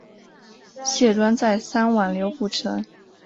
谢端再三挽留不成。